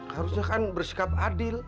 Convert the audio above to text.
harusnya kan bersikap adil